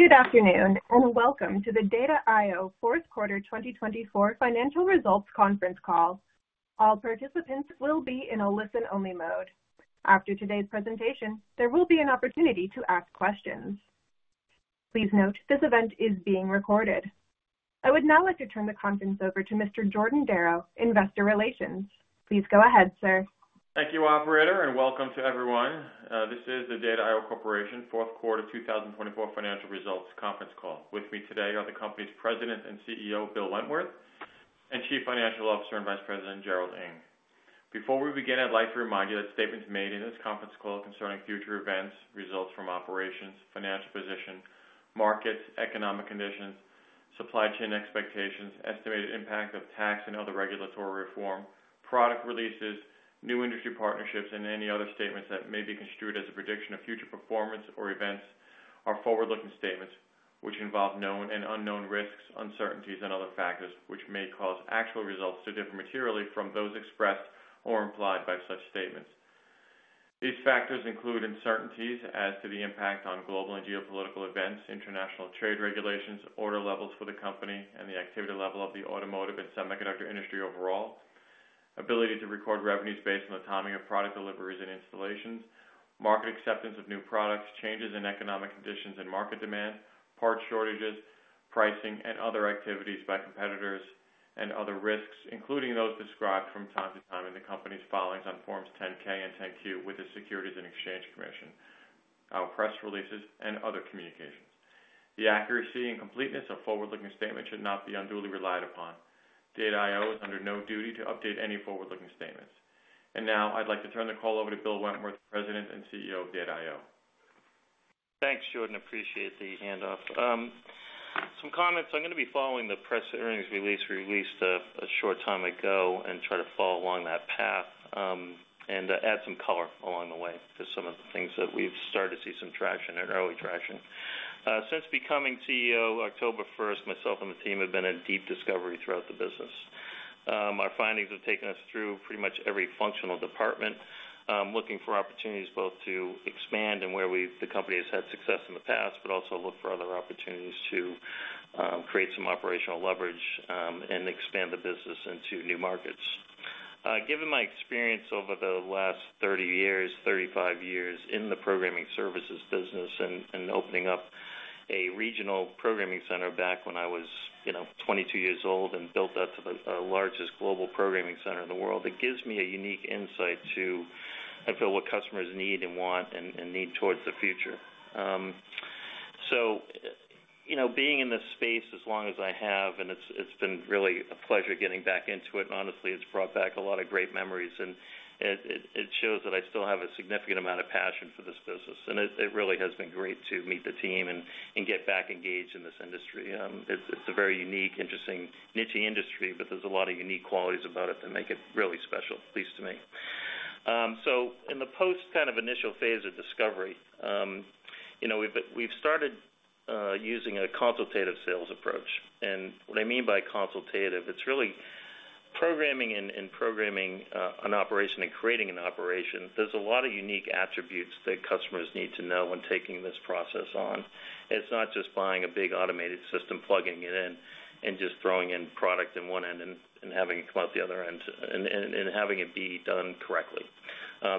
Good afternoon and welcome to the Data I/O Fourth Quarter 2024 Financial Results Conference Call. All participants will be in a listen-only mode. After today's presentation, there will be an opportunity to ask questions. Please note this event is being recorded. I would now like to turn the conference over to Mr. Jordan Darrow, Investor Relations. Please go ahead, sir. Thank you, Operator, and welcome to everyone. This is the Data I/O Corporation Fourth Quarter 2024 Financial Results Conference Call. With me today are the company's President and CEO, Bill Wentworth, and Chief Financial Officer and Vice President, Gerald Ng. Before we begin, I'd like to remind you that statements made in this conference call concerning future events, results from operations, financial position, markets, economic conditions, supply chain expectations, estimated impact of tax and other regulatory reform, product releases, new industry partnerships, and any other statements that may be construed as a prediction of future performance or events are forward-looking statements which involve known and unknown risks, uncertainties, and other factors which may cause actual results to differ materially from those expressed or implied by such statements. These factors include uncertainties as to the impact on global and geopolitical events, international trade regulations, order levels for the company, and the activity level of the automotive and semiconductor industry overall, ability to record revenues based on the timing of product deliveries and installations, market acceptance of new products, changes in economic conditions and market demand, parts shortages, pricing, and other activities by competitors, and other risks including those described from time to time in the company's filings on Forms 10-K and 10-Q with the Securities and Exchange Commission, our press releases, and other communications. The accuracy and completeness of forward-looking statements should not be unduly relied upon. Data I/O is under no duty to update any forward-looking statements. I would like to turn the call over to Bill Wentworth, President and CEO of Data I/O. Thanks, Jordan. I appreciate the handoff. Some comments. I'm going to be following the press release we released a short time ago and try to follow along that path and add some color along the way to some of the things that we've started to see some traction and early traction. Since becoming CEO, October 1, myself and the team have been in deep discovery throughout the business. Our findings have taken us through pretty much every functional department, looking for opportunities both to expand in where the company has had success in the past, but also look for other opportunities to create some operational leverage and expand the business into new markets. Given my experience over the last 30 years, 35 years in the programming services business and opening up a regional programming center back when I was 22 years old and built that to the largest global programming center in the world, it gives me a unique insight to, I feel, what customers need and want and need towards the future. Being in this space as long as I have, and it's been really a pleasure getting back into it, and honestly, it's brought back a lot of great memories, and it shows that I still have a significant amount of passion for this business. It really has been great to meet the team and get back engaged in this industry. It's a very unique, interesting, niche industry, but there's a lot of unique qualities about it that make it really special, at least to me. In the post kind of initial phase of discovery, we've started using a consultative sales approach. What I mean by consultative, it's really programming and programming an operation and creating an operation. There's a lot of unique attributes that customers need to know when taking this process on. It's not just buying a big automated system, plugging it in, and just throwing in product in one end and having it come out the other end and having it be done correctly.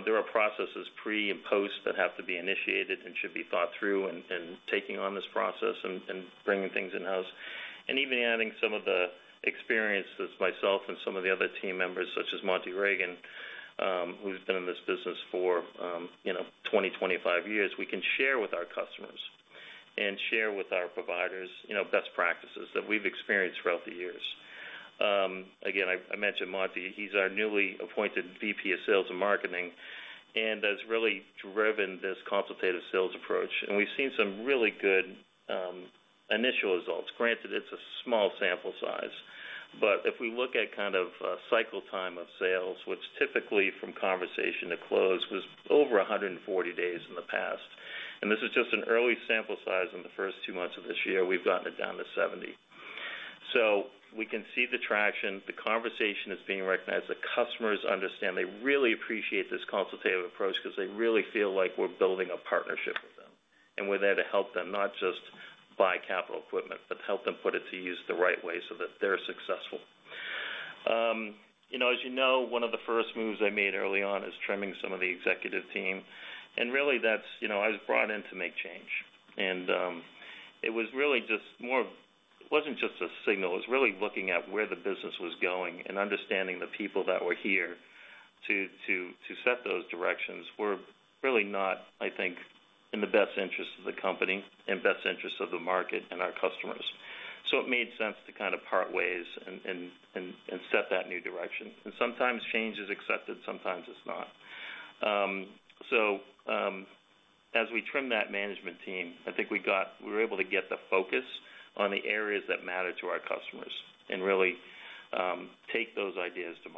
There are processes pre and post that have to be initiated and should be thought through in taking on this process and bringing things in-house. Even adding some of the experiences myself and some of the other team members, such as Monty Ragon, who's been in this business for 20, 25 years, we can share with our customers and share with our providers best practices that we've experienced throughout the years. I mentioned Monty. He's our newly appointed VP of Sales and Marketing and has really driven this consultative sales approach. We've seen some really good initial results. Granted, it's a small sample size, but if we look at kind of cycle time of sales, which typically from conversation to close was over 140 days in the past, and this is just an early sample size in the first two months of this year, we've gotten it down to 70. So we can see the traction. The conversation is being recognized. The customers understand. They really appreciate this consultative approach because they really feel like we're building a partnership with them and we're there to help them not just buy capital equipment, but help them put it to use the right way so that they're successful. As you know, one of the first moves I made early on is trimming some of the executive team. I was brought in to make change. It was really just more it wasn't just a signal. It was really looking at where the business was going and understanding the people that were here to set those directions were really not, I think, in the best interest of the company and best interest of the market and our customers. It made sense to kind of part ways and set that new direction. Sometimes change is accepted. Sometimes it's not. As we trimmed that management team, I think we were able to get the focus on the areas that matter to our customers and really take those ideas to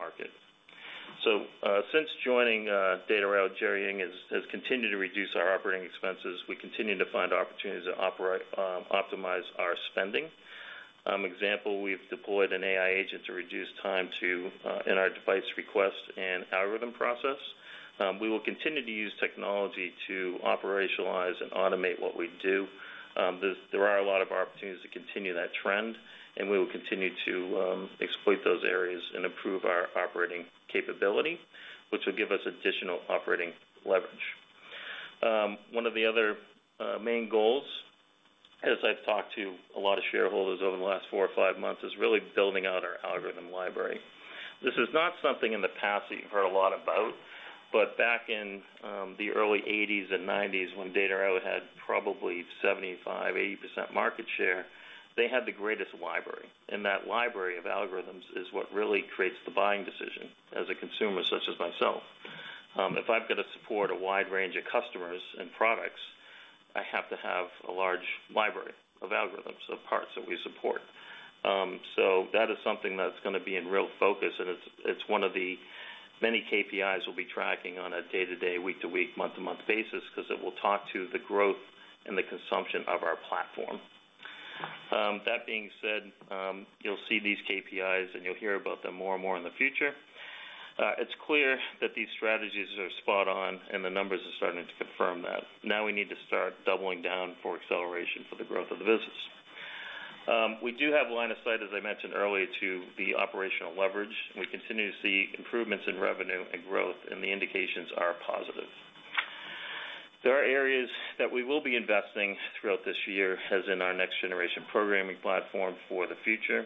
market. Since joining Data I/O, Gerry Ng has continued to reduce our operating expenses. We continue to find opportunities to optimize our spending. Example, we've deployed an AI agent to reduce time to in our device request and algorithm process. We will continue to use technology to operationalize and automate what we do. There are a lot of opportunities to continue that trend, and we will continue to exploit those areas and improve our operating capability, which will give us additional operating leverage. One of the other main goals, as I've talked to a lot of shareholders over the last four or five months, is really building out our algorithm library. This is not something in the past that you've heard a lot about, but back in the early 1980s and 1990s, when Data I/O had probably 75-80% market share, they had the greatest library. And that library of algorithms is what really creates the buying decision as a consumer such as myself. If I've got to support a wide range of customers and products, I have to have a large library of algorithms of parts that we support. That is something that's going to be in real focus, and it's one of the many KPIs we'll be tracking on a day-to-day, week-to-week, month-to-month basis because it will talk to the growth and the consumption of our platform. That being said, you'll see these KPIs, and you'll hear about them more and more in the future. It's clear that these strategies are spot on, and the numbers are starting to confirm that. Now we need to start doubling down for acceleration for the growth of the business. We do have line of sight, as I mentioned earlier, to the operational leverage. We continue to see improvements in revenue and growth, and the indications are positive. There are areas that we will be investing throughout this year as in our next-generation programming platform for the future.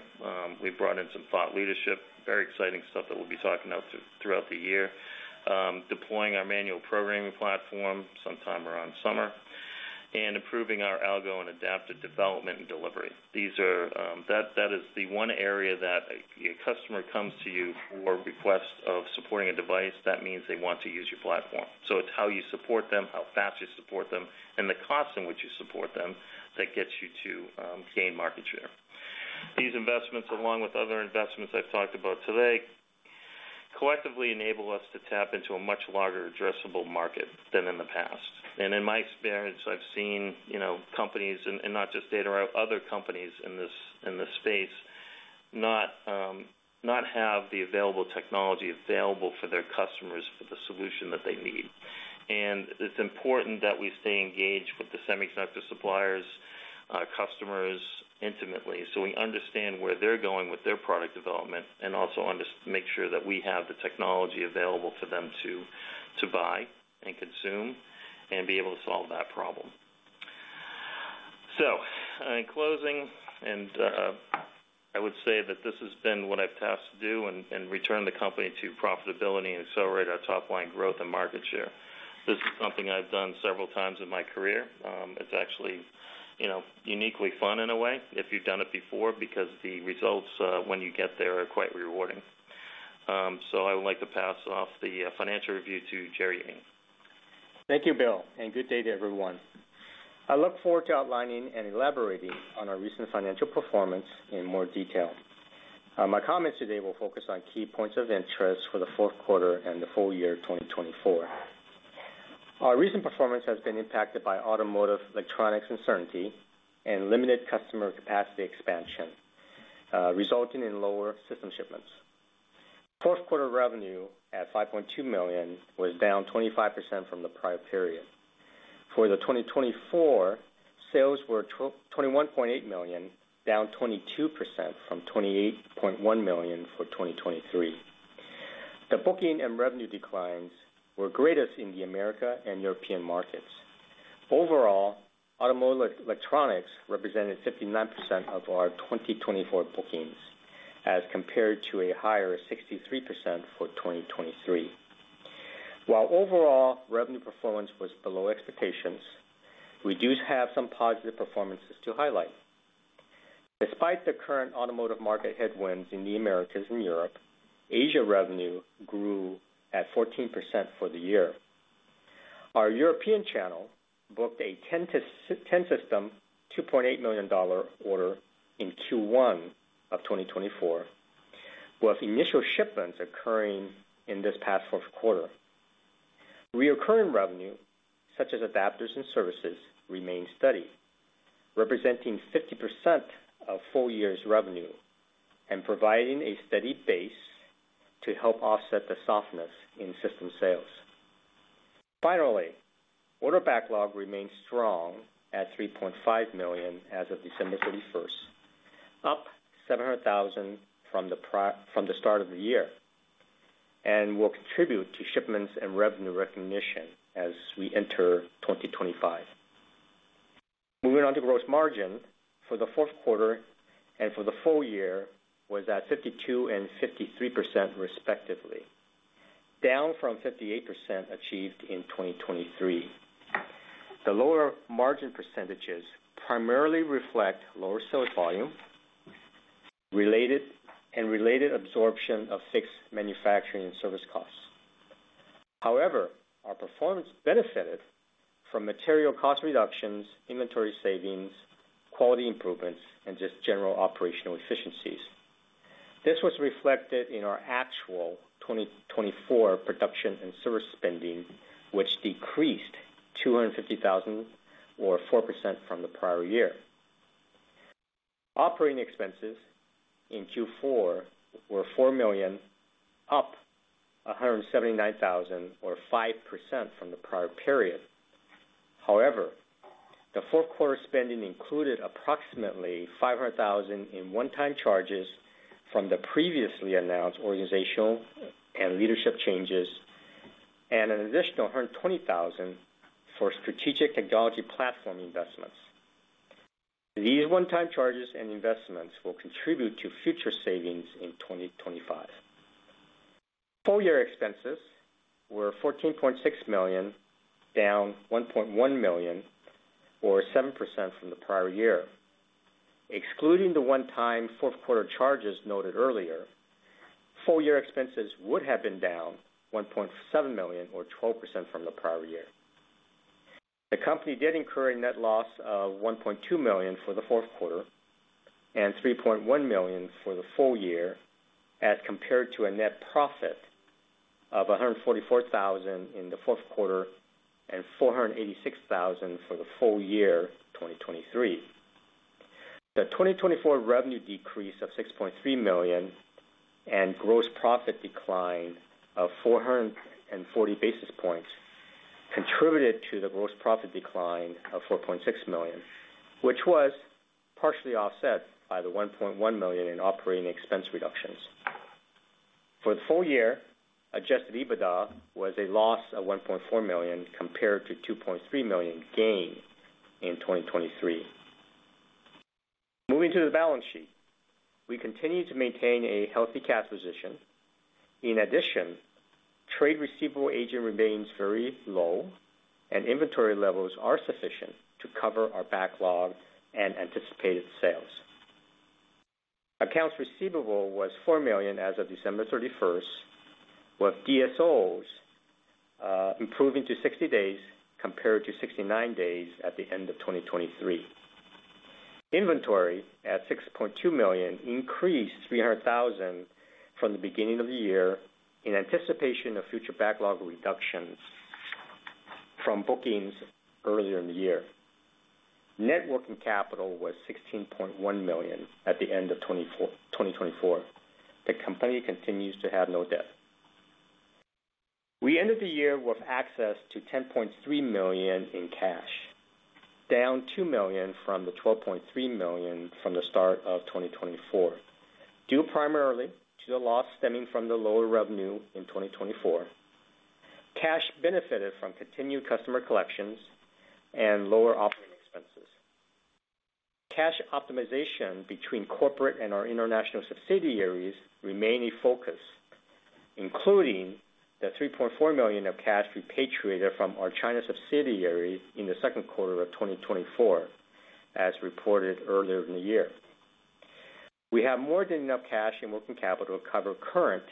We've brought in some thought leadership, very exciting stuff that we'll be talking about throughout the year, deploying our manual programming platform sometime around summer, and improving our algo and adaptive development and delivery. That is the one area that a customer comes to you for request of supporting a device. That means they want to use your platform. It's how you support them, how fast you support them, and the cost in which you support them that gets you to gain market share. These investments, along with other investments I've talked about today, collectively enable us to tap into a much larger addressable market than in the past. In my experience, I've seen companies, and not just Data I/O, other companies in this space not have the available technology available for their customers for the solution that they need. It's important that we stay engaged with the semiconductor suppliers, customers intimately so we understand where they're going with their product development and also make sure that we have the technology available for them to buy and consume and be able to solve that problem. In closing, I would say that this has been what I've tasked to do and return the company to profitability and accelerate our top-line growth and market share. This is something I've done several times in my career. It's actually uniquely fun in a way if you've done it before because the results when you get there are quite rewarding. I would like to pass off the financial review to Gerry Ng. Thank you, Bill, and good day to everyone. I look forward to outlining and elaborating on our recent financial performance in more detail. My comments today will focus on key points of interest for the fourth quarter and the full year 2024. Our recent performance has been impacted by automotive electronics uncertainty and limited customer capacity expansion, resulting in lower system shipments. Fourth quarter revenue at $5.2 million was down 25% from the prior period. For 2024, sales were $21.8 million, down 22% from $28.1 million for 2023. The booking and revenue declines were greatest in the Americas and European markets. Overall, automotive electronics represented 59% of our 2024 bookings as compared to a higher 63% for 2023. While overall revenue performance was below expectations, we do have some positive performances to highlight. Despite the current automotive market headwinds in the Americas and Europe, Asia revenue grew at 14% for the year. Our European channel booked a 10-system $2.8 million order in Q1 of 2024 with initial shipments occurring in this past fourth quarter. Reoccurring revenue, such as adapters and services, remained steady, representing 50% of full year's revenue and providing a steady base to help offset the softness in system sales. Finally, order backlog remained strong at $3.5 million as of December 31, up $700,000 from the start of the year and will contribute to shipments and revenue recognition as we enter 2025. Moving on to gross margin for the fourth quarter and for the full year was at 52% and 53% respectively, down from 58% achieved in 2023. The lower margin percentages primarily reflect lower sales volume and related absorption of fixed manufacturing and service costs. However, our performance benefited from material cost reductions, inventory savings, quality improvements, and just general operational efficiencies. This was reflected in our actual 2024 production and service spending, which decreased $250,000 or 4% from the prior year. Operating expenses in Q4 were $4 million, up $179,000 or 5% from the prior period. However, the fourth quarter spending included approximately $500,000 in one-time charges from the previously announced organizational and leadership changes and an additional $120,000 for strategic technology platform investments. These one-time charges and investments will contribute to future savings in 2025. Full-year expenses were $14.6 million, down $1.1 million or 7% from the prior year. Excluding the one-time fourth quarter charges noted earlier, full-year expenses would have been down $1.7 million or 12% from the prior year. The company did incur a net loss of $1.2 million for the fourth quarter and $3.1 million for the full year as compared to a net profit of $144,000 in the fourth quarter and $486,000 for the full year 2023. The 2024 revenue decrease of $6.3 million and gross profit decline of 440 basis points contributed to the gross profit decline of $4.6 million, which was partially offset by the $1.1 million in operating expense reductions. For the full year, adjusted EBITDA was a loss of $1.4 million compared to $2.3 million gain in 2023. Moving to the balance sheet, we continue to maintain a healthy cash position. In addition, trade receivable aging remains very low, and inventory levels are sufficient to cover our backlog and anticipated sales. Accounts receivable was $4 million as of December 31, with DSOs improving to 60 days compared to 69 days at the end of 2023. Inventory at $6.2 million increased $300,000 from the beginning of the year in anticipation of future backlog reductions from bookings earlier in the year net working capital was $16.1 million at the end of 2024. The company continues to have no debt. We ended the year with access to $10.3 million in cash, down $2 million from the $12.3 million from the start of 2024, due primarily to the loss stemming from the lower revenue in 2024. Cash benefited from continued customer collections and lower operating expenses. Cash optimization between corporate and our international subsidiaries remained a focus, including the $3.4 million of cash repatriated from our China subsidiary in the second quarter of 2024, as reported earlier in the year. We have more than enough cash and working capital to cover current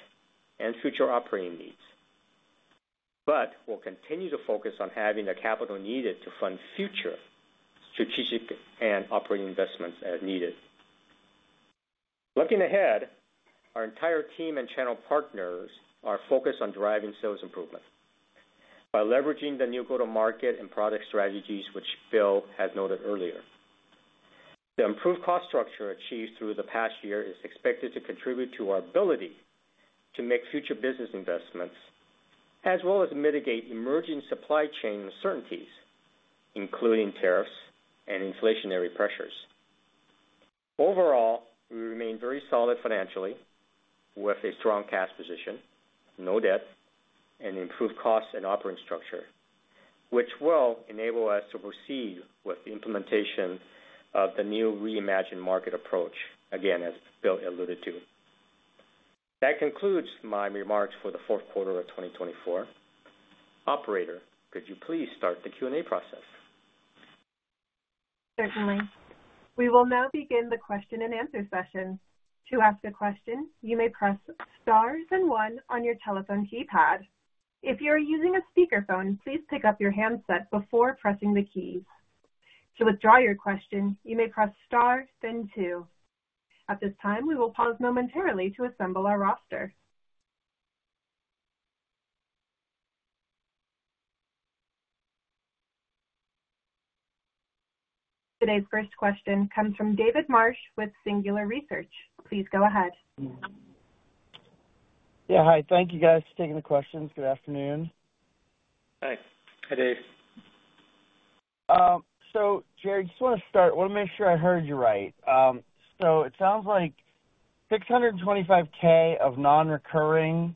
and future operating needs, but we'll continue to focus on having the capital needed to fund future strategic and operating investments as needed. Looking ahead, our entire team and channel partners are focused on driving sales improvement by leveraging the new go-to-market and product strategies, which Bill has noted earlier. The improved cost structure achieved through the past year is expected to contribute to our ability to make future business investments, as well as mitigate emerging supply chain uncertainties, including tariffs and inflationary pressures. Overall, we remain very solid financially with a strong cash position, no debt, and improved costs and operating structure, which will enable us to proceed with the implementation of the new reimagined market approach, again, as Bill alluded to. That concludes my remarks for the fourth quarter of 2024. Operator, could you please start the Q&A process? Certainly. We will now begin the question and answer session. To ask a question, you may press star, then one, on your telephone keypad. If you are using a speakerphone, please pick up your handset before pressing the keys. To withdraw your question, you may press star, then two. At this time, we will pause momentarily to assemble our roster. Today's first question comes from David Marsh with Singular Research. Please go ahead. Yeah. Hi. Thank you, guys, for taking the questions. Good afternoon. Hi. Hey, Dave. Gerry, I just want to start. I want to make sure I heard you right. It sounds like $625,000 of non-recurring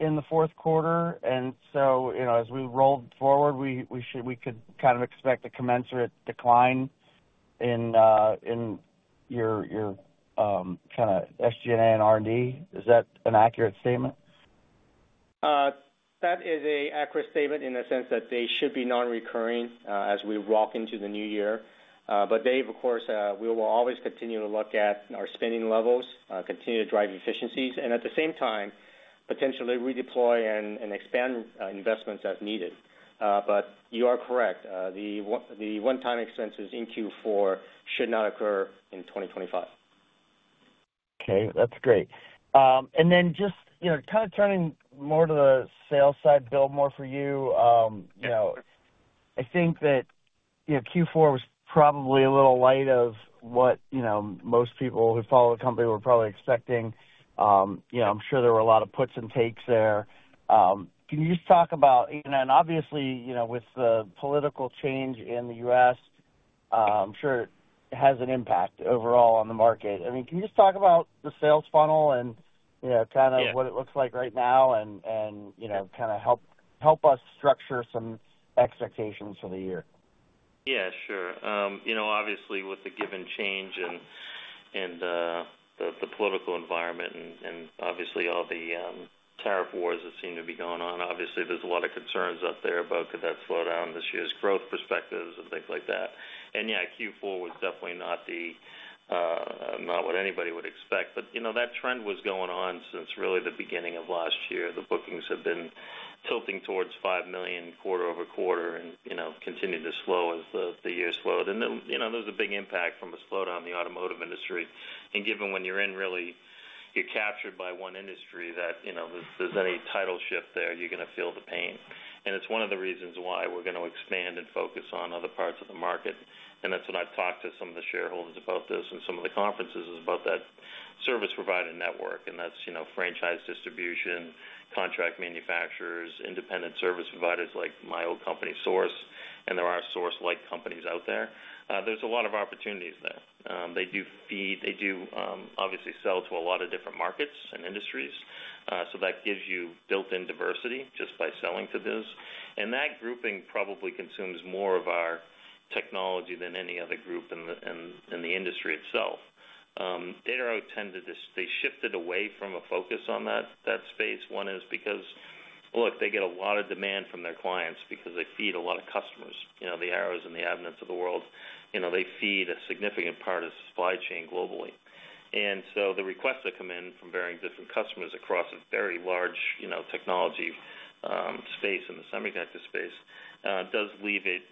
in the fourth quarter. As we roll forward, we could kind of expect a commensurate decline in your kind of SG&A and R&D. Is that an accurate statement? That is an accurate statement in the sense that they should be non-recurring as we walk into the new year. But Dave, of course, we will always continue to look at our spending levels, continue to drive efficiencies, and at the same time, potentially redeploy and expand investments as needed. You are correct. The one-time expenses in Q4 should not occur in 2025. Okay. That's great. Just kind of turning more to the sales side, Bill, more for you. I think that Q4 was probably a little light of what most people who follow the company were probably expecting. I'm sure there were a lot of puts and takes there. Can you just talk about, and obviously, with the political change in the U.S., I'm sure it has an impact overall on the market. I mean, can you just talk about the sales funnel and kind of what it looks like right now and kind of help us structure some expectations for the year? Yeah, sure. Obviously, with the given change and the political environment and obviously all the tariff wars that seem to be going on, obviously, there's a lot of concerns out there about could that slow down this year's growth perspectives and things like that. Q4 was definitely not what anybody would expect. That trend was going on since really the beginning of last year. The bookings have been tilting towards $5 million quarter over quarter and continued to slow as the year slowed. There's a big impact from a slowdown in the automotive industry. Given when you're in really you're captured by one industry, that there's any title shift there, you're going to feel the pain. It's one of the reasons why we're going to expand and focus on other parts of the market. That's what I've talked to some of the shareholders about this and some of the conferences is about that service provider network. That's franchise distribution, contract manufacturers, independent service providers like my old company, Source, and there are Source-like companies out there. There's a lot of opportunities there. They do feed. They do obviously sell to a lot of different markets and industries. That gives you built-in diversity just by selling to those. That grouping probably consumes more of our technology than any other group in the industry itself. They shifted away from a focus on that space. One is because, look, they get a lot of demand from their clients because they feed a lot of customers. The Arrows and the Avnets of the world, they feed a significant part of the supply chain globally. And so the requests that come in from varying different customers across a very large technology space in the semiconductor space does leave it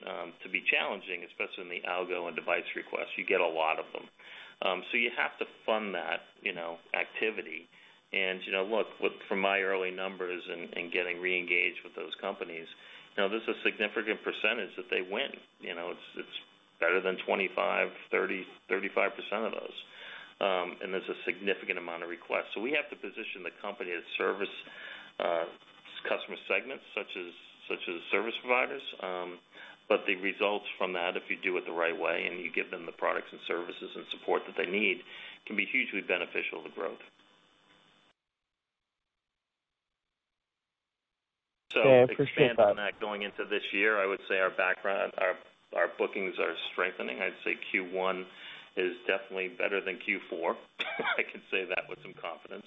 to be challenging, especially in the algo and device requests. You get a lot of them. You have to fund that activity. Look, from my early numbers and getting re-engaged with those companies, this is a significant percentage that they win. It's better than 25%, 30%, 35% of those. There is a significant amount of request. We have to position the company as service customer segments, such as service providers. The results from that, if you do it the right way and you give them the products and services and support that they need, can be hugely beneficial to growth. We can't have that going into this year. I would say our background, our bookings are strengthening. I'd say Q1 is definitely better than Q4. I can say that with some confidence.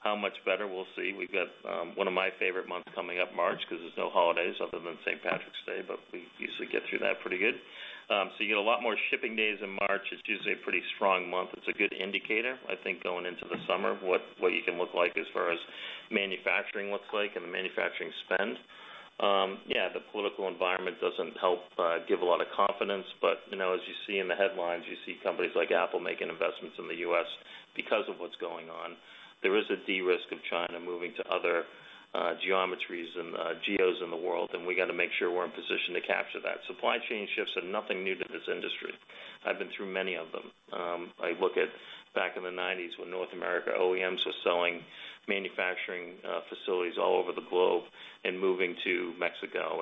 How much better, we'll see. We've got one of my favorite months coming up, March, because there's no holidays other than St. Patrick's Day, but we usually get through that pretty good. You get a lot more shipping days in March. It's usually a pretty strong month. It's a good indicator, I think, going into the summer of what you can look like as far as manufacturing looks like and the manufacturing spend. Yeah, the political environment doesn't help give a lot of confidence. As you see in the headlines, you see companies like Apple making investments in the U.S. because of what's going on. There is a de-risk of China moving to other geometries and geos in the world, and we got to make sure we're in position to capture that. Supply chain shifts are nothing new to this industry. I've been through many of them. I look at back in the 1990s when North America OEMs were selling manufacturing facilities all over the globe and moving to Mexico.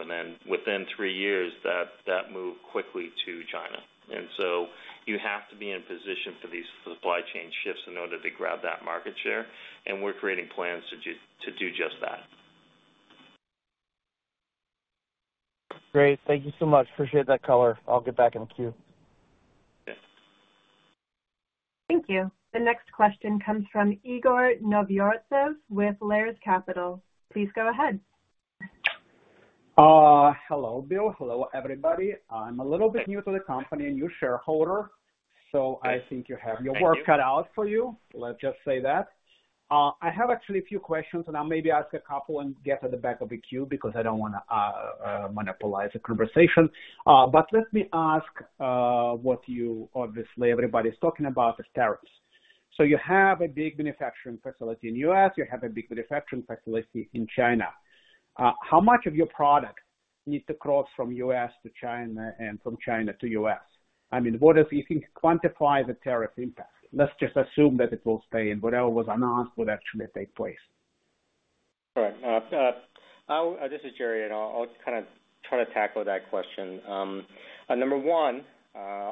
Within three years, that moved quickly to China. You have to be in position for these supply chain shifts in order to grab that market share. We're creating plans to do just that. Great. Thank you so much. Appreciate that color. I'll get back in the queue. Okay. Thank you. The next question comes from Igor Novgorodtsev with Lares Capital. Please go ahead. Hello, Bill. Hello, everybody. I'm a little bit new to the company and new shareholder, so I think you have your work cut out for you. Let's just say that. I have actually a few questions, and I'll maybe ask a couple and get to the back of the queue because I don't want to monopolize the conversation. Let me ask what you obviously everybody's talking about is tariffs. You have a big manufacturing facility in the U.S. You have a big manufacturing facility in China. How much of your product needs to cross from U.S. to China and from China to U.S.? I mean, what does it quantify the tariff impact? Let's just assume that it will stay and whatever was announced would actually take place. All right. This is Gerry, and I'll kind of try to tackle that question. Number one,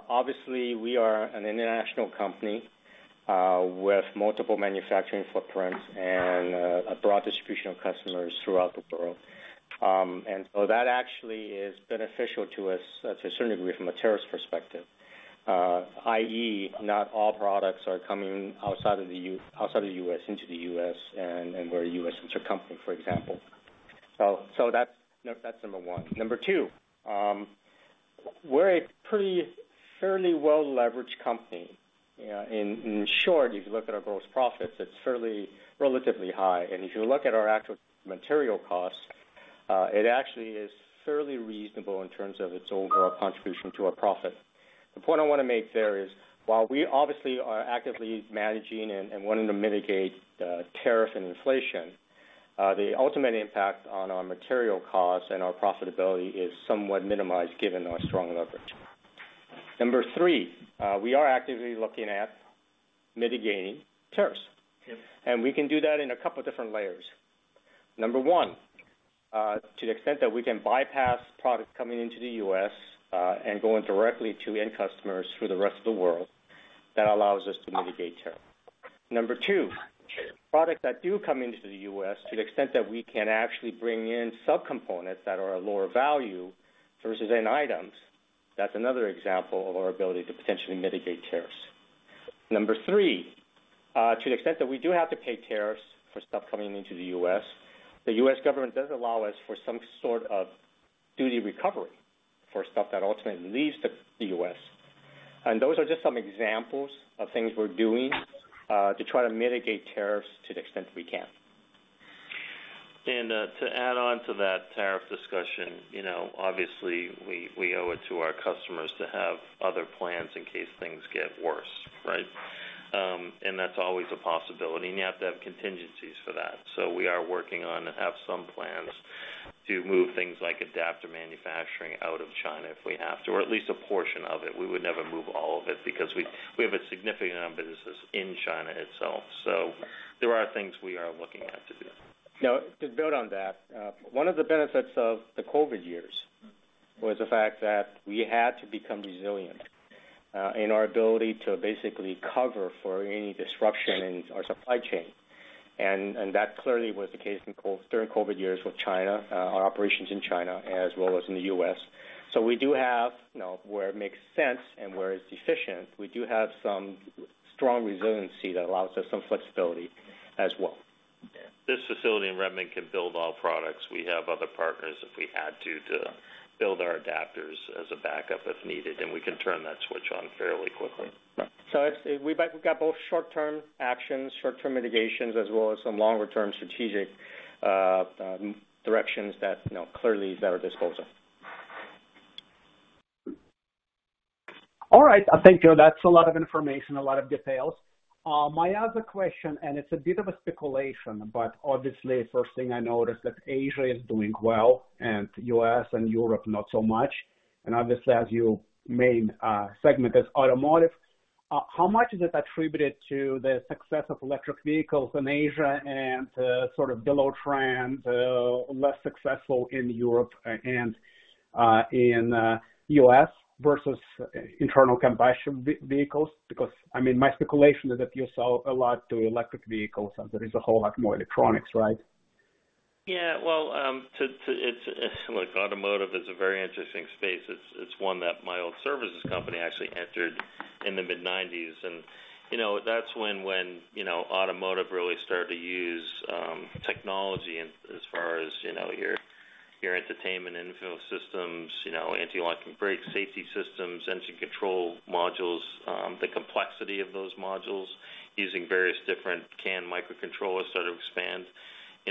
obviously, we are an international company with multiple manufacturing footprints and a broad distribution of customers throughout the world. That actually is beneficial to us to a certain degree from a tariff perspective, i.e., not all products are coming outside of the U.S. into the U.S. and where the U.S. is a company, for example. That's number one. Number two, we're a pretty fairly well-leveraged company. In short, if you look at our gross profits, it's fairly relatively high. If you look at our actual material costs, it actually is fairly reasonable in terms of its overall contribution to our profit. The point I want to make there is, while we obviously are actively managing and wanting to mitigate tariff and inflation, the ultimate impact on our material costs and our profitability is somewhat minimized given our strong leverage. Number three, we are actively looking at mitigating tariffs. We can do that in a couple of different layers. Number one, to the extent that we can bypass products coming into the U.S. and going directly to end customers through the rest of the world, that allows us to mitigate tariffs. Number two, products that do come into the U.S., to the extent that we can actually bring in subcomponents that are a lower value versus end items, that's another example of our ability to potentially mitigate tariffs. Number three, to the extent that we do have to pay tariffs for stuff coming into the U.S., the U.S. government does allow us for some sort of duty recovery for stuff that ultimately leaves the U.S. Those are just some examples of things we're doing to try to mitigate tariffs to the extent that we can. To add on to that tariff discussion, obviously, we owe it to our customers to have other plans in case things get worse, right? That's always a possibility. You have to have contingencies for that. We are working on and have some plans to move things like adaptive manufacturing out of China if we have to, or at least a portion of it. We would never move all of it because we have a significant amount of business in China itself. There are things we are looking at to do. Now, to build on that, one of the benefits of the COVID years was the fact that we had to become resilient in our ability to basically cover for any disruption in our supply chain. That clearly was the case during the COVID years with China, our operations in China as well as in the U.S. We do have where it makes sense and where it's efficient. We do have some strong resiliency that allows us some flexibility as well. This facility in Redmond can build all products. We have other partners if we had to build our adapters as a backup if needed, and we can turn that switch on fairly quickly. We have got both short-term actions, short-term mitigations, as well as some longer-term strategic directions that clearly is at our disposal. All right. I think that's a lot of information, a lot of details. May I ask a question? It's a bit of a speculation, but obviously, first thing I noticed that Asia is doing well and U.S. and Europe not so much. Obviously, as your main segment is automotive, how much is it attributed to the success of electric vehicles in Asia and sort of below trend, less successful in Europe and in the U.S. versus internal combustion vehicles? I mean, my speculation is that you sell a lot to electric vehicles and there is a whole lot more electronics, right? Yeah. Automotive is a very interesting space. It's one that my old services company actually entered in the mid-1990s. That's when automotive really started to use technology as far as your entertainment info systems, anti-locking brakes, safety systems, engine control modules. The complexity of those modules using various different CAN microcontrollers started to expand.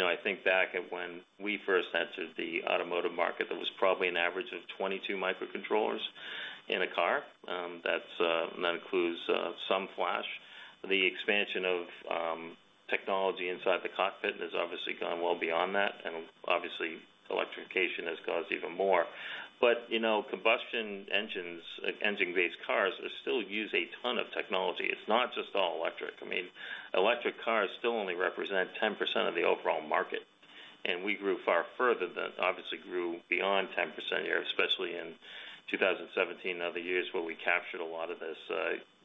I think back when we first entered the automotive market, there was probably an average of 22 microcontrollers in a car. That includes some flash. The expansion of technology inside the cockpit has obviously gone well beyond that. Electrification has caused even more. Combustion engine-based cars still use a ton of technology. It's not just all electric. I mean, electric cars still only represent 10% of the overall market. We grew far further than obviously grew beyond 10% a year, especially in 2017 and other years where we captured a lot of this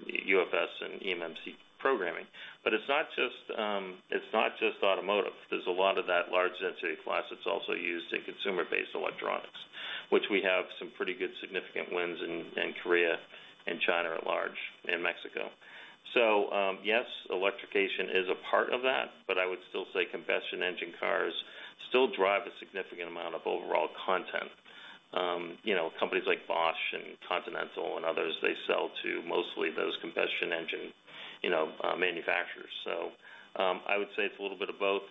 UFS and eMMC programming. It is not just automotive. There is a lot of that large sensory flash. It is also used in consumer-based electronics, which we have some pretty good significant wins in Korea and China at large in Mexico. Yes, electrification is a part of that, but I would still say combustion engine cars still drive a significant amount of overall content. Companies like Bosch and Continental and others, they sell to mostly those combustion engine manufacturers. I would say it is a little bit of both.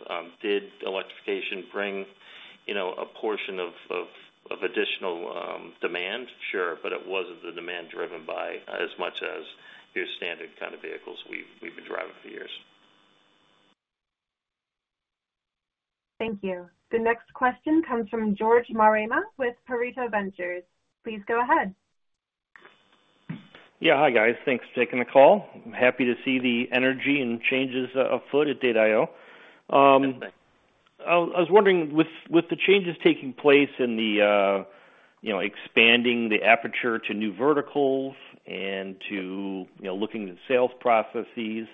Did electrification bring a portion of additional demand? Sure, but it was not the demand driven by as much as your standard kind of vehicles we have been driving for years. Thank you. The next question comes from George Marema with Pareto Ventures. Please go ahead. Yeah. Hi, guys. Thanks for taking the call. I'm happy to see the energy and changes afoot at Data I/O. Yes, thank you. I was wondering, with the changes taking place in the expanding the aperture to new verticals and to looking at sales processes,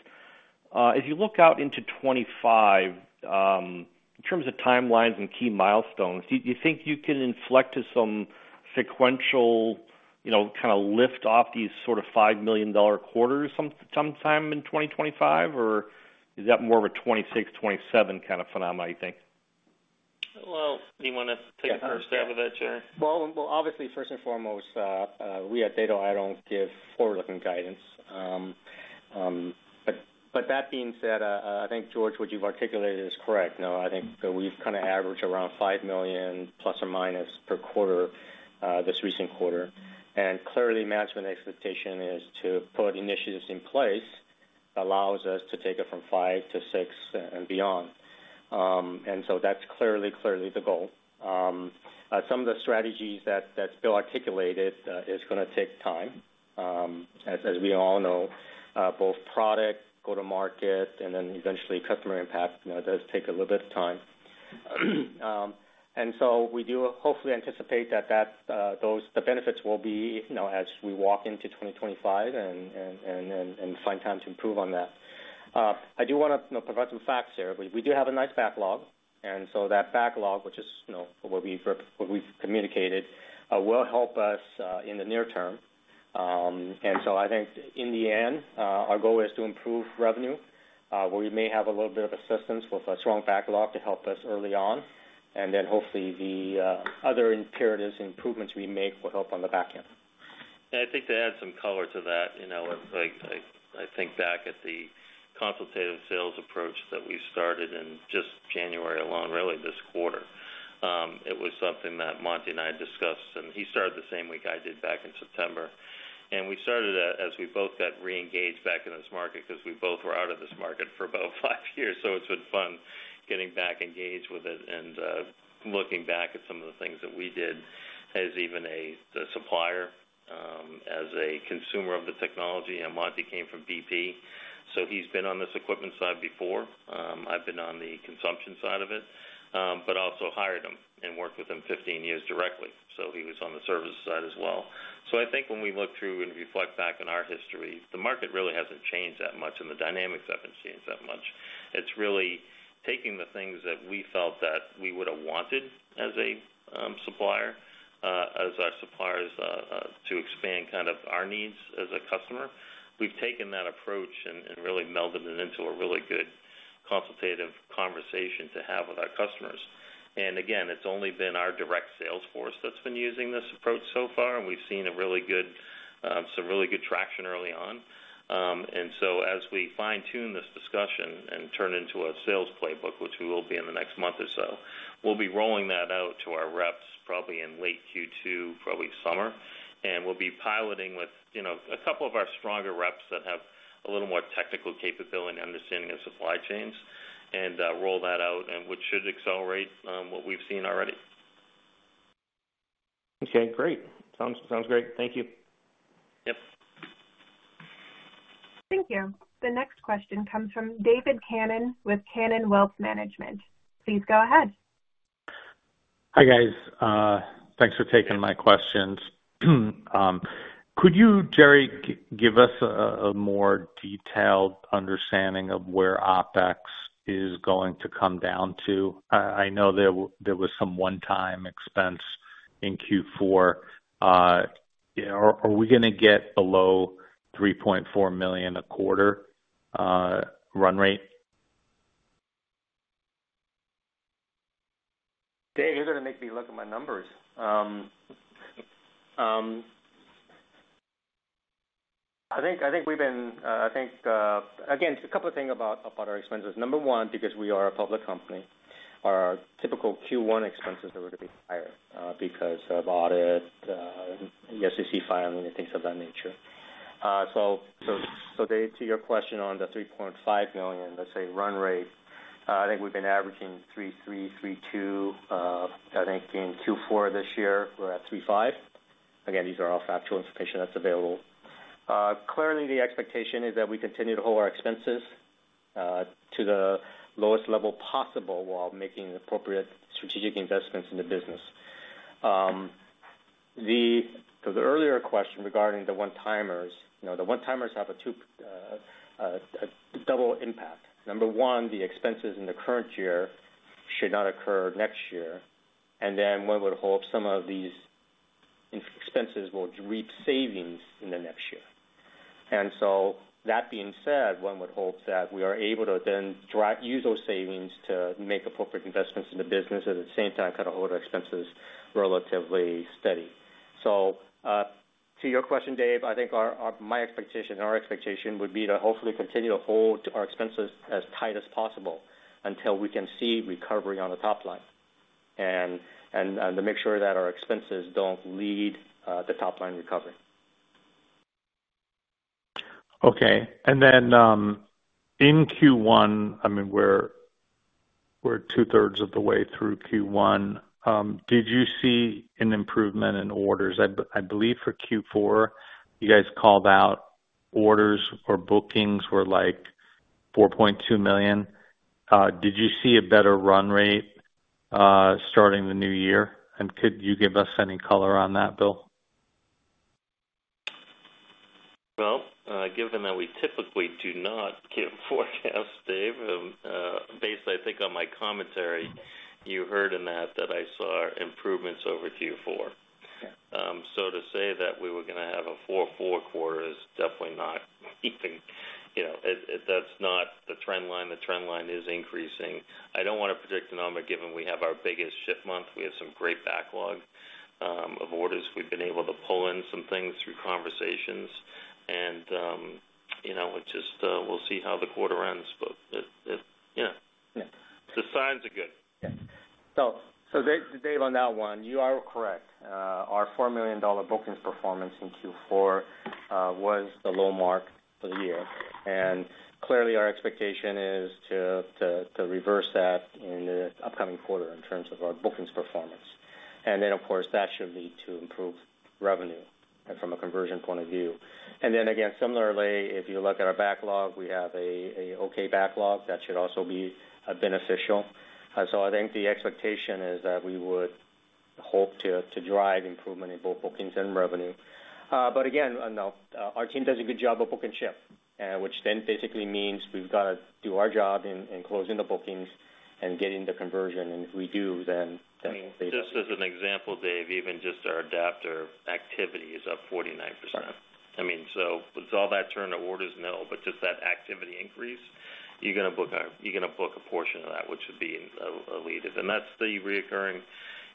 as you look out into 2025, in terms of timelines and key milestones, do you think you can inflect to some sequential kind of lift off these sort of $5 million quarters sometime in 2025, or is that more of a 2026, 2027 kind of phenomenon, you think? Do you want to take the first stab with that, Gerry? Obviously, first and foremost, we at Data I/O do not give forward-looking guidance. That being said, I think George, what you have articulated is correct. I think that we have kind of averaged around $5 million plus or minus per quarter this recent quarter. Clearly, management expectation is to put initiatives in place that allow us to take it from $5 million to $6 million and beyond. That is clearly, clearly the goal. Some of the strategies that Bill articulated are going to take time. As we all know, both product, go-to-market, and then eventually customer impact does take a little bit of time. We do hopefully anticipate that the benefits will be as we walk into 2025 and find time to improve on that. I do want to provide some facts here. We do have a nice backlog. That backlog, which is what we've communicated, will help us in the near term. I think in the end, our goal is to improve revenue, where we may have a little bit of assistance with a strong backlog to help us early on. Hopefully, the other imperatives, improvements we make will help on the back end. I think to add some color to that, I think back at the consultative sales approach that we started in just January alone, really this quarter, it was something that Monty and I discussed. He started the same week I did back in September. We started as we both got re-engaged back in this market because we both were out of this market for about five years. It's been fun getting back engaged with it and looking back at some of the things that we did as even a supplier, as a consumer of the technology. Monty came from BP. He's been on this equipment side before. I've been on the consumption side of it, but also hired him and worked with him 15 years directly. He was on the service side as well. I think when we look through and reflect back on our history, the market really hasn't changed that much, and the dynamics haven't changed that much. It's really taking the things that we felt that we would have wanted as a supplier, as our suppliers, to expand kind of our needs as a customer. We've taken that approach and really melded it into a really good consultative conversation to have with our customers. Again, it's only been our direct sales force that's been using this approach so far, and we've seen some really good traction early on. As we fine-tune this discussion and turn it into a sales playbook, which we will be in the next month or so, we'll be rolling that out to our reps probably in late Q2, probably summer. We will be piloting with a couple of our stronger reps that have a little more technical capability and understanding of supply chains and roll that out, which should accelerate what we have seen already. Okay. Great. Sounds great. Thank you. Yep. Thank you. The next question comes from David Cannon with Cannon Wealth Management. Please go ahead. Hi, guys. Thanks for taking my questions. Could you, Gerry, give us a more detailed understanding of where OpEx is going to come down to? I know there was some one-time expense in Q4. Are we going to get below $3.4 million a quarter run rate? Dave, you're going to make me look at my numbers. I think we've been again, a couple of things about our expenses. Number one, because we are a public company, our typical Q1 expenses are going to be higher because of audit, the SEC filing, and things of that nature. To your question on the $3.5 million, let's say, run rate, I think we've been averaging $3.3 million, $3.2 million. I think in Q4 this year, we're at $3.5 million. Again, these are all factual information that's available. Clearly, the expectation is that we continue to hold our expenses to the lowest level possible while making appropriate strategic investments in the business. To the earlier question regarding the one-timers, the one-timers have a double impact. Number one, the expenses in the current year should not occur next year. One would hope some of these expenses will reap savings in the next year. That being said, one would hope that we are able to then use those savings to make appropriate investments in the business and at the same time kind of hold our expenses relatively steady. To your question, Dave, I think my expectation and our expectation would be to hopefully continue to hold our expenses as tight as possible until we can see recovery on the top line and to make sure that our expenses do not lead the top line recovery. Okay. And then in Q1, I mean, we're two-thirds of the way through Q1. Did you see an improvement in orders? I believe for Q4, you guys called out orders or bookings were like $4.2 million. Did you see a better run rate starting the new year? Could you give us any color on that, Bill? Given that we typically do not forecast, Dave, based I think on my commentary you heard in that that I saw improvements over Q4. To say that we were going to have a 4.4 quarter is definitely not even that's not the trend line. The trend line is increasing. I do not want to predict anomaly given we have our biggest shipment. We have some great backlog of orders. We have been able to pull in some things through conversations. We will just see how the quarter runs. Yeah, the signs are good. Dave, on that one, you are correct. Our $4 million bookings performance in Q4 was the low mark for the year. Clearly, our expectation is to reverse that in the upcoming quarter in terms of our bookings performance. Of course, that should lead to improved revenue from a conversion point of view. Similarly, if you look at our backlog, we have an okay backlog that should also be beneficial. I think the expectation is that we would hope to drive improvement in both bookings and revenue. Again, our team does a good job of book and ship, which then basically means we have to do our job in closing the bookings and getting the conversion. If we do, then basically. I mean, just as an example, Dave, even just our adapter activity is up 49%. I mean, with all that turned to orders now, but just that activity increase, you're going to book a portion of that, which would be a leader. That's the recurring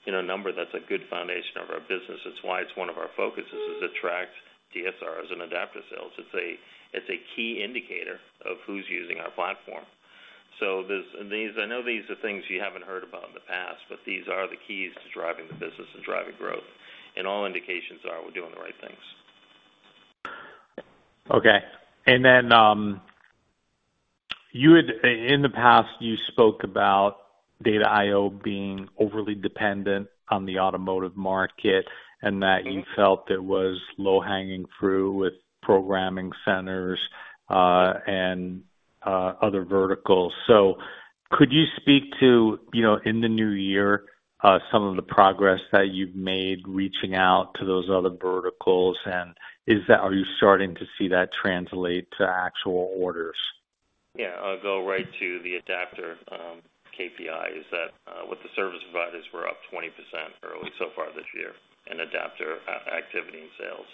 number that's a good foundation of our business. It's why it's one of our focuses is to attract DSRs and adapter sales. It's a key indicator of who's using our platform. I know these are things you haven't heard about in the past, but these are the keys to driving the business and driving growth. All indications are we're doing the right things. Okay. In the past, you spoke about Data I/O being overly dependent on the automotive market and that you felt there was low-hanging fruit with programming centers and other verticals. Could you speak to, in the new year, some of the progress that you've made reaching out to those other verticals? Are you starting to see that translate to actual orders? Yeah. I'll go right to the adapter KPIs that with the service providers were up 20% early so far this year in adapter activity and sales.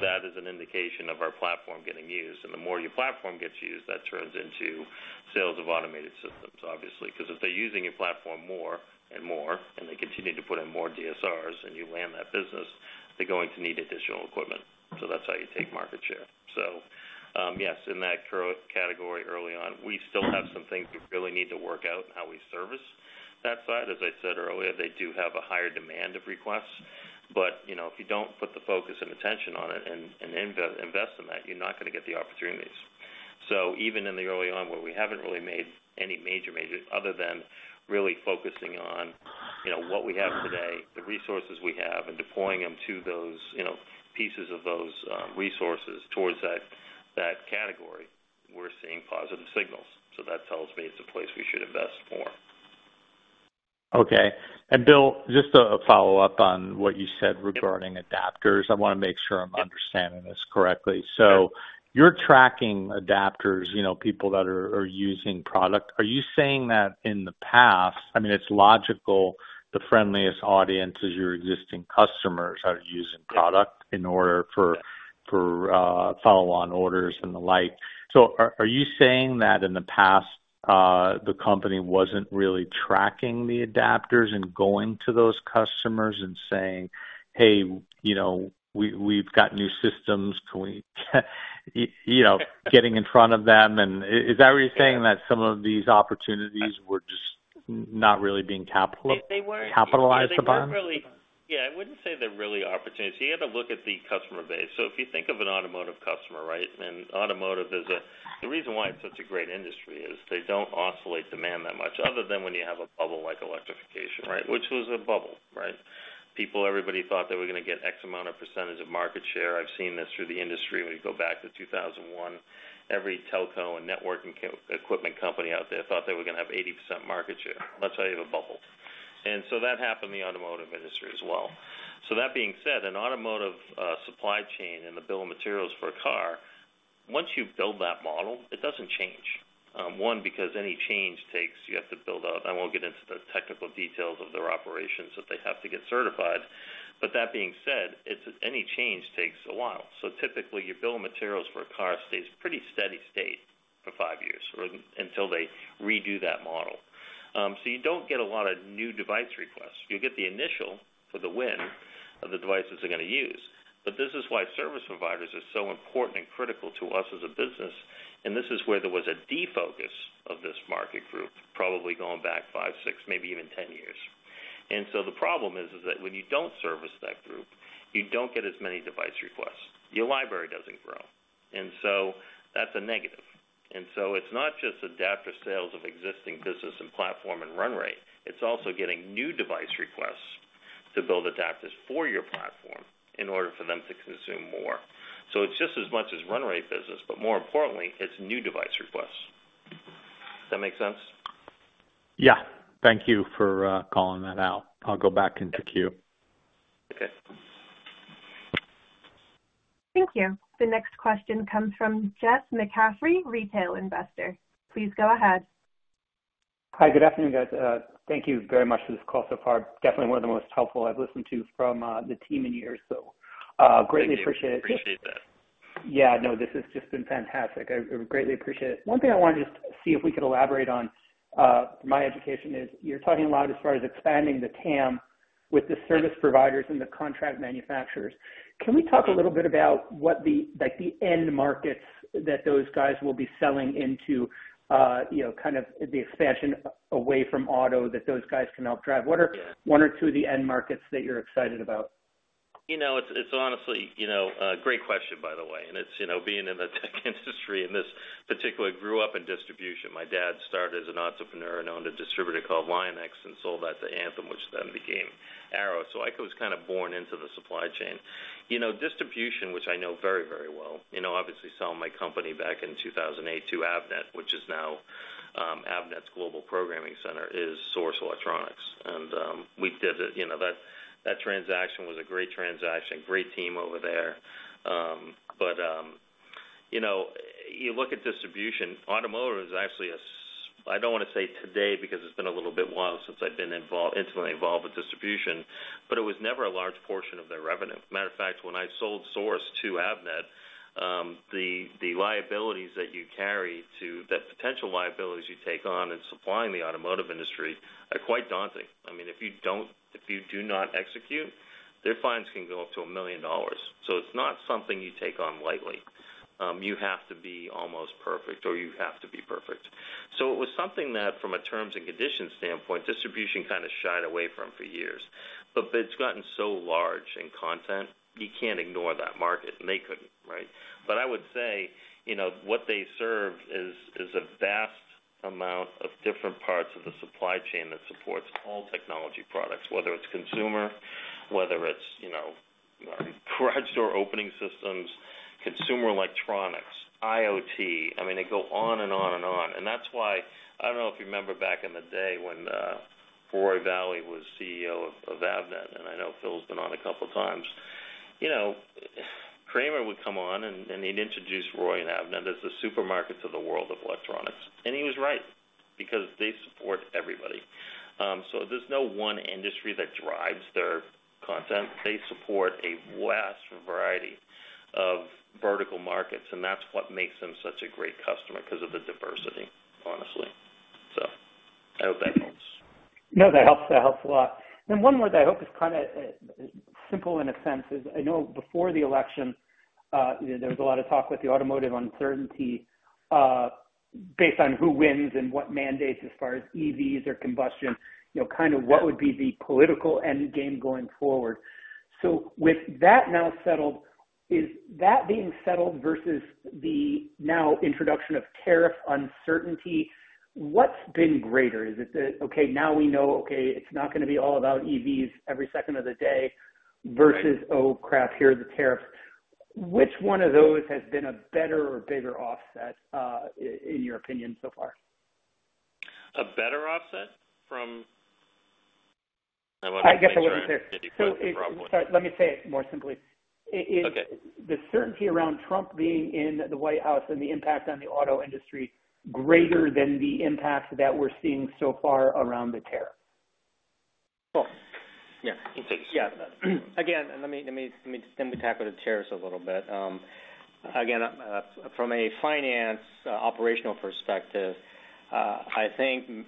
That is an indication of our platform getting used. The more your platform gets used, that turns into sales of automated systems, obviously, because if they're using your platform more and more and they continue to put in more DSRs and you land that business, they're going to need additional equipment. That's how you take market share. Yes, in that category early on, we still have some things we really need to work out in how we service that side. As I said earlier, they do have a higher demand of requests. If you don't put the focus and attention on it and invest in that, you're not going to get the opportunities. So even in the early on where we haven't really made any major, major other than really focusing on what we have today, the resources we have, and deploying them to those pieces of those resources towards that category, we're seeing positive signals. That tells me it's a place we should invest more. Okay. Bill, just a follow-up on what you said regarding adapters. I want to make sure I'm understanding this correctly. You're tracking adapters, people that are using product. Are you saying that in the past, I mean, it's logical the friendliest audience is your existing customers are using product in order for follow-on orders and the like. Are you saying that in the past, the company wasn't really tracking the adapters and going to those customers and saying, "Hey, we've got new systems. Can we?" getting in front of them? Is that what you're saying, that some of these opportunities were just not really being capitalized upon? They really, yeah, I would not say they are really opportunities. You have to look at the customer base. If you think of an automotive customer, right, and automotive is a, the reason why it is such a great industry is they do not oscillate demand that much other than when you have a bubble like electrification, right, which was a bubble, right? People, everybody thought they were going to get X amount of percentage of market share. I have seen this through the industry. When you go back to 2001, every telco and networking equipment company out there thought they were going to have 80% market share. That is why you have a bubble. That happened in the automotive industry as well. That being said, an automotive supply chain and the bill of materials for a car, once you build that model, it does not change. One, because any change takes you have to build out. I won't get into the technical details of their operations that they have to get certified. That being said, any change takes a while. Typically, your bill of materials for a car stays pretty steady state for five years until they redo that model. You don't get a lot of new device requests. You'll get the initial for the WIN of the devices they're going to use. This is why service providers are so important and critical to us as a business. This is where there was a defocus of this market group probably going back 5, 6, maybe even 10 years. The problem is that when you don't service that group, you don't get as many device requests. Your library doesn't grow. That's a negative. It is not just adapter sales of existing business and platform and run rate. It is also getting new device requests to build adapters for your platform in order for them to consume more. It is just as much as run rate business, but more importantly, it is new device requests. Does that make sense? Yeah. Thank you for calling that out. I'll go back into Q. Okay. Thank you. The next question comes from Jess McCaffrey, retail investor. Please go ahead. Hi, good afternoon, guys. Thank you very much for this call so far. Definitely one of the most helpful I've listened to from the team in years. Greatly appreciate it. Appreciate that. Yeah. No, this has just been fantastic. I greatly appreciate it. One thing I want to just see if we could elaborate on my education is you're talking a lot as far as expanding the TAM with the service providers and the contract manufacturers. Can we talk a little bit about what the end markets that those guys will be selling into, kind of the expansion away from auto that those guys can help drive? What are one or two of the end markets that you're excited about? It's honestly a great question, by the way. It's being in the tech industry in this particular, I grew up in distribution. My dad started as an entrepreneur and owned a distributor called LionX and sold that to Anthem, which then became Arrow. I was kind of born into the supply chain. Distribution, which I know very, very well. Obviously, selling my company back in 2008 to Avnet, which is now Avnet's Global Programming Center, is Source Electronics. We did that transaction, it was a great transaction, great team over there. You look at distribution, automotive is actually a, I do not want to say today because it's been a little bit while since I've been involved, intimately involved with distribution, but it was never a large portion of their revenue. Matter of fact, when I sold Source to Avnet, the liabilities that you carry to the potential liabilities you take on in supplying the automotive industry are quite daunting. I mean, if you do not execute, their fines can go up to $1 million. It is not something you take on lightly. You have to be almost perfect or you have to be perfect. It was something that from a terms and conditions standpoint, distribution kind of shied away from for years. It has gotten so large in content, you cannot ignore that market. They could not, right? I would say what they serve is a vast amount of different parts of the supply chain that supports all technology products, whether it is consumer, whether it is garage door opening systems, consumer electronics, IoT. I mean, they go on and on and on. That's why I don't know if you remember back in the day when Roy Vallee was CEO of Avnet, and I know Phil's been on a couple of times. Cramer would come on and he'd introduce Roy and Avnet as the supermarkets of the world of electronics. He was right because they support everybody. There is no one industry that drives their content. They support a vast variety of vertical markets. That is what makes them such a great customer because of the diversity, honestly. I hope that helps. No, that helps a lot. One more that I hope is kind of simple in a sense is I know before the election, there was a lot of talk with the automotive uncertainty based on who wins and what mandates as far as EVs or combustion, kind of what would be the political end game going forward. With that now settled, is that being settled versus the now introduction of tariff uncertainty, what's been greater? Is it that, okay, now we know, okay, it's not going to be all about EVs every second of the day versus, "Oh, crap, here are the tariffs." Which one of those has been a better or bigger offset in your opinion so far? A better offset from? I guess I wasn't clear. Let me say it more simply. Okay Is the certainty around Trump being in the White House and the impact on the auto industry greater than the impact that we're seeing so far around the tariffs? Cool. Yeah. Again, let me tackle the tariffs a little bit. Again, from a finance operational perspective, I think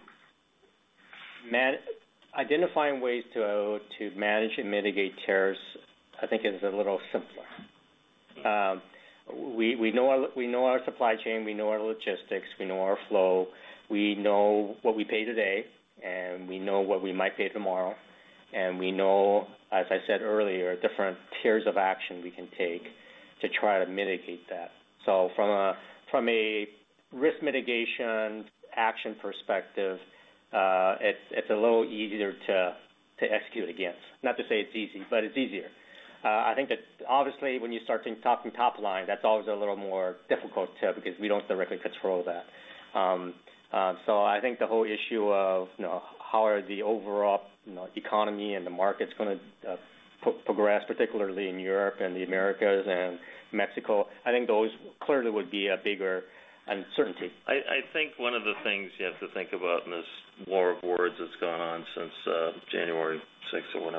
identifying ways to manage and mitigate tariffs, I think, is a little simpler. We know our supply chain. We know our logistics. We know our flow. We know what we pay today, and we know what we might pay tomorrow. We know, as I said earlier, different tiers of action we can take to try to mitigate that. From a risk mitigation action perspective, it's a little easier to execute against. Not to say it's easy, but it's easier. I think that obviously, when you start talking top line, that's always a little more difficult because we don't directly control that. I think the whole issue of how are the overall economy and the markets going to progress, particularly in Europe and the Americas and Mexico, I think those clearly would be a bigger uncertainty. I think one of the things you have to think about in this war of words that's gone on since January 6 or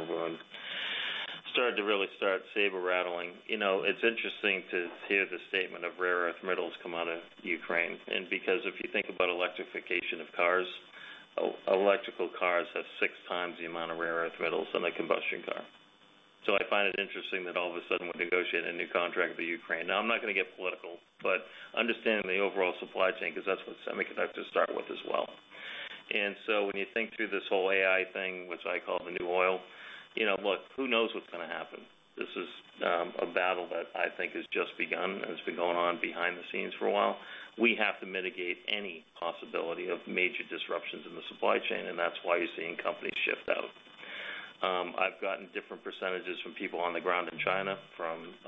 whenever it started to really start saber rattling, it's interesting to hear the statement of rare earth metals come out of Ukraine. Because if you think about electrification of cars, electrical cars have six times the amount of rare earth metals on a combustion car. I find it interesting that all of a sudden, we're negotiating a new contract with Ukraine. Now, I'm not going to get political, but understanding the overall supply chain because that's what semiconductors start with as well. When you think through this whole AI thing, which I call the new oil, look, who knows what's going to happen? This is a battle that I think has just begun and has been going on behind the scenes for a while. We have to mitigate any possibility of major disruptions in the supply chain, and that's why you're seeing companies shift out. I've gotten different percentages from people on the ground in China,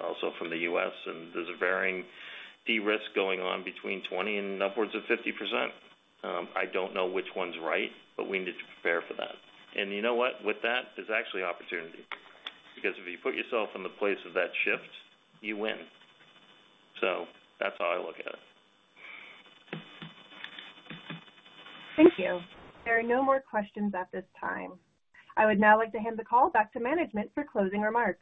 also from the U.S., and there's a varying de-risk going on between 20% and upwards of 50%. I don't know which one's right, but we need to prepare for that. You know what? With that, there's actually opportunity because if you put yourself in the place of that shift, you win. That's how I look at it. Thank you. There are no more questions at this time. I would now like to hand the call back to management for closing remarks.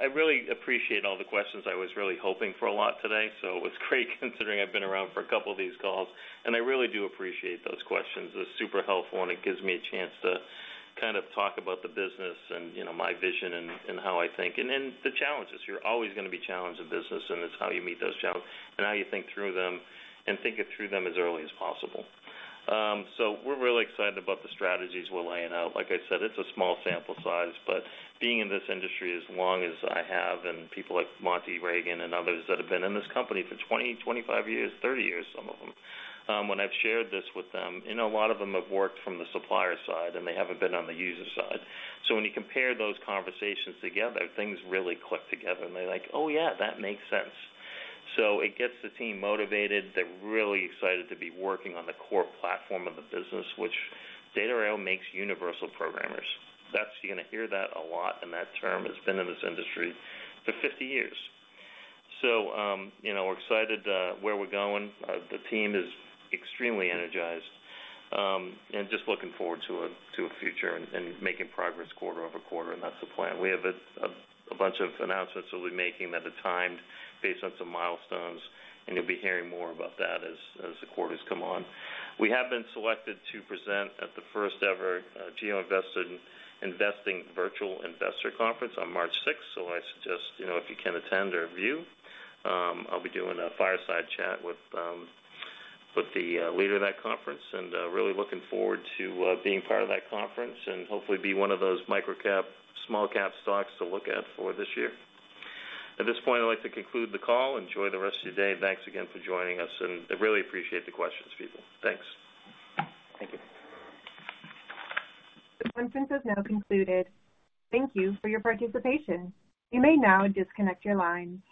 I really appreciate all the questions. I was really hoping for a lot today. It was great considering I've been around for a couple of these calls. I really do appreciate those questions. They're super helpful, and it gives me a chance to kind of talk about the business and my vision and how I think. The challenges, you're always going to be challenged in business, and it's how you meet those challenges and how you think through them and think through them as early as possible. We're really excited about the strategies we're laying out. Like I said, it's a small sample size, but being in this industry as long as I have and people like Monty Reaganand others that have been in this company for 20, 25 years, 30 years, some of them, when I've shared this with them, a lot of them have worked from the supplier side, and they haven't been on the user side. When you compare those conversations together, things really click together. They're like, "Oh, yeah, that makes sense." It gets the team motivated. They're really excited to be working on the core platform of the business, which Data I/O makes universal programmers. You're going to hear that a lot, and that term has been in this industry for 50 years. We're excited where we're going. The team is extremely energized and just looking forward to a future and making progress quarter over quarter. That is the plan. We have a bunch of announcements we will be making that are timed based on some milestones. You will be hearing more about that as the quarters come on. We have been selected to present at the first-ever GeoInvesting Virtual Investor Conference on March 6th. I suggest if you can attend or view, I will be doing a fireside chat with the leader of that conference and really looking forward to being part of that conference and hopefully be one of those microcap, small-cap stocks to look at for this year. At this point, I would like to conclude the call. Enjoy the rest of your day. Thanks again for joining us. I really appreciate the questions, people. Thanks. Thank you. This conference has now concluded. Thank you for your participation. You may now disconnect your line.